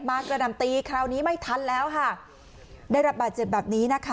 กระดำตีคราวนี้ไม่ทันแล้วค่ะได้รับบาดเจ็บแบบนี้นะคะ